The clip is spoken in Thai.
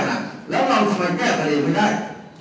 แล้วเราทำไมแก้ตัวเองไม่ได้